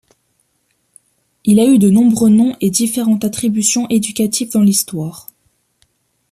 Il a eu de nombreux noms et différentes attributions éducatives dans l'Histoire.